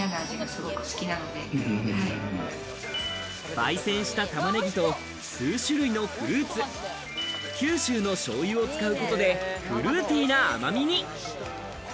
焙煎した玉ねぎと数種類のフルーツ、九州のしょうゆを使うことで、フルーティーな甘みに。